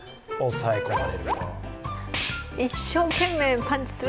抑え込まれている。